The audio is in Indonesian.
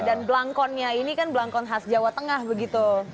dan belangkonnya ini kan belangkon khas jawa tengah begitu